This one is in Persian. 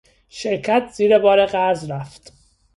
شرکت زیر بار قرض رفت.